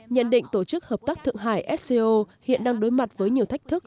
nhận định tổ chức hợp tác thượng hải sco hiện đang đối mặt với nhiều thách thức